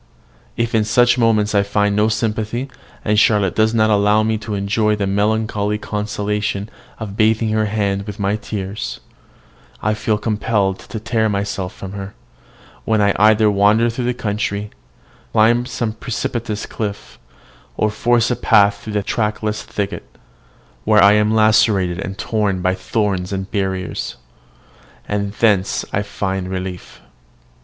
If in such moments I find no sympathy, and Charlotte does not allow me to enjoy the melancholy consolation of bathing her hand with my tears, I feel compelled to tear myself from her, when I either wander through the country, climb some precipitous cliff, or force a path through the trackless thicket, where I am lacerated and torn by thorns and briers; and thence I find relief.